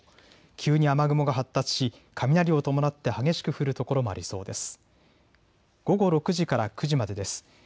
急に雨雲が発達し雷を伴って激しく降る所もありそうです。